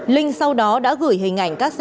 linh sau đó đã gửi hình ảnh các xã hội